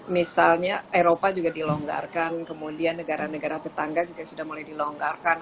misalnya eropa juga dilonggarkan kemudian negara negara tetangga juga sudah mulai dilonggarkan